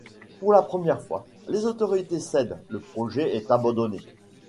Pour la première fois, les autorités cèdent, le projet est abandonné.